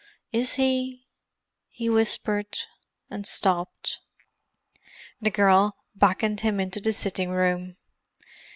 "Is he——?" he whispered, and stopped. The girl beckoned him into the sitting room.